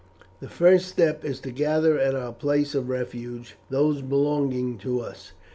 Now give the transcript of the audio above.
"The first step is to gather at our place of refuge those belonging to us.